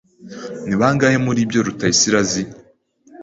Ni bangahe muri ibyo Rutayisire azi?